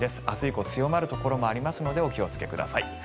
明日以降強まるところもありますのでお気をつけください。